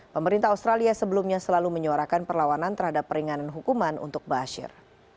pemerintah australia sebelumnya selalu menyuarakan perlawanan terhadap peringanan hukuman untuk bashir